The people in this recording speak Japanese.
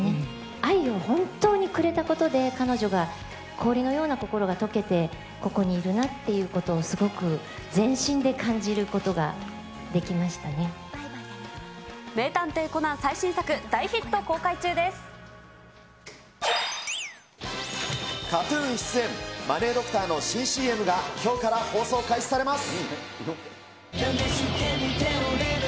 愛を本当にくれたことで、彼女が氷のような心がとけて、ここにいるなっていうことをすごく、名探偵コナン最新作、ＫＡＴーＴＵＮ出演、マネードクターの新ＣＭがきょうから放送開始されます。